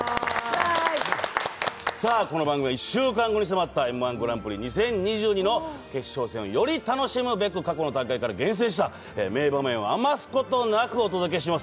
さあ、この番組は、１週間後に迫ったＭ−１グランプリ２０２２の決勝戦をより楽しむべく、過去の大会から厳選した名場面を余すことなくお届けします。